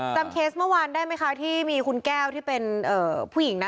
เคสเมื่อวานได้ไหมคะที่มีคุณแก้วที่เป็นผู้หญิงนะ